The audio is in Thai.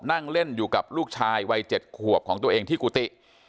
นั่งเล่นอยู่กับลูกชายวัย๗ขวบของตัวเองที่กุฏิ